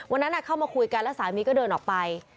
วันนั้นเข้ามาคุยกันแล้วสามีก็เดินออกไป